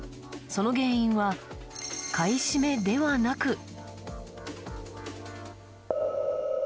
その原因は、買い占めではなく。